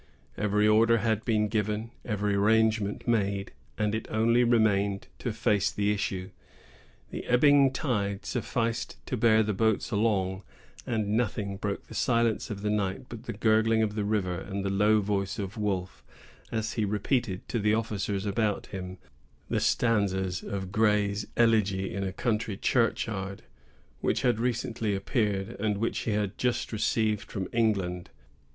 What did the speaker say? Every order had been given, every arrangement made, and it only remained to face the issue. The ebbing tide sufficed to bear the boats along, and nothing broke the silence of the night but the gurgling of the river, and the low voice of Wolfe, as he repeated to the officers about him the stanzas of Gray's "Elegy in a Country Churchyard," which had recently appeared and which he had just received from England.